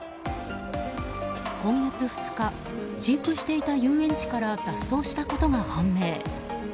今月２日飼育していた遊園地から脱走したことが判明。